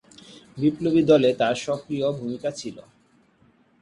বিপ্লবী দলে তার সক্রিয় ভূমিকা ছিলো।